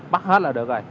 bắt hết là được rồi